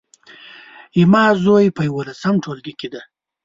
زما زوی په يولسم ټولګي کې دی